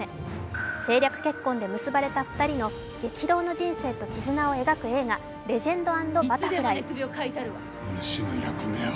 政略結婚で結ばれた２人の激動の人生と絆を描く映画「レジェンド＆バタフライ」。